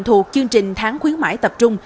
thuộc chương trình tháng khuyến mại tập trung